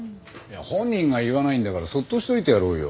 本人が言わないんだからそっとしておいてやろうよ。